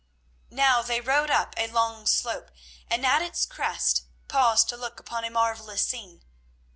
Now they rode up a long slope, and at its crest paused to look upon a marvellous scene.